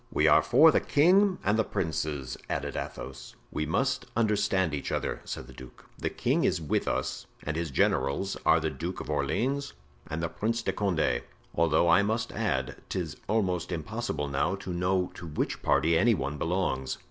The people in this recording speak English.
"We are for the king and the princes," added Athos. "We must understand each other," said the duke. "The king is with us and his generals are the Duke of Orleans and the Prince de Condé, although I must add 'tis almost impossible now to know to which party any one belongs."